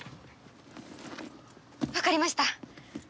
わかりました。